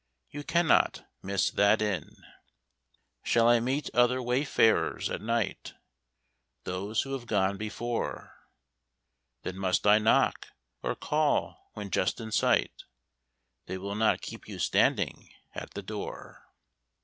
You cannot miss that inn. Shall I meet other wayfarers at night? Those who have gone before. Then must I knock, or call when just in sight? They will not keep you standing at that door.